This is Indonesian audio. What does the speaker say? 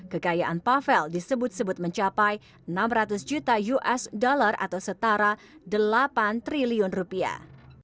kekayaan pavel disebut sebut mencapai enam ratus juta usd atau setara delapan triliun rupiah